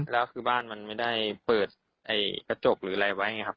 แล้วคือบ้านมันไม่ได้เปิดกระจกหรืออะไรไว้ไงครับ